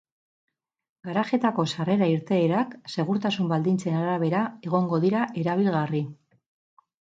Garajeetako sarrera-irteerak segurtasun baldintzen arabera egongo dira erabilgarri.